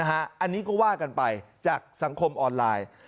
อันนี้ก็ว่ากันไปจากสังคมออนไลน์